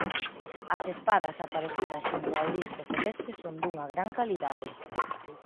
As espadas aparecidas xunto ao disco celeste son dunha gran calidade.